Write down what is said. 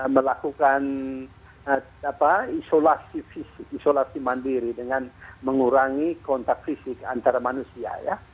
melakukan isolasi mandiri dengan mengurangi kontak fisik antara manusia ya